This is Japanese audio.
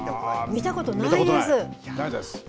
見たことないです。